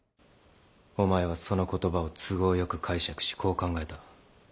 お前はその言葉を都合良く解釈しこう考えた。